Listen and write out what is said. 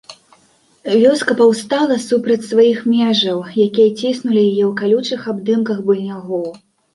Вёска паўстала супраць сваіх межаў, якія ціснулі яе ў калючых абдымках быльнягу.